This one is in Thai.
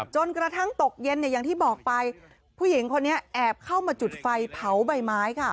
จนกระทั่งตกเย็นเนี่ยอย่างที่บอกไปผู้หญิงคนนี้แอบเข้ามาจุดไฟเผาใบไม้ค่ะ